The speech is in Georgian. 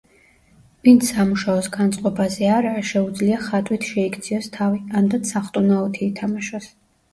ვინც სამუშაოს განწყობაზე არაა, შეუძლია ხატვით შეიქციოს თავი, ანდაც სახტუნაოთი ითამაშოს.